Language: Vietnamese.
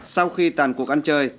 sau khi tàn cuộc ăn chơi